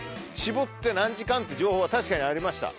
搾って何時間っていう情報は確かにありました